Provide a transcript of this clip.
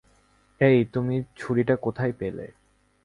এই, তুমি ছুরিটা কোথায় পেলে?